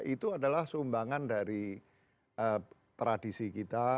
itu adalah sumbangan dari tradisi kita